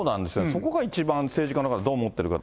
そこが一番、政治家の方どう思ってるか。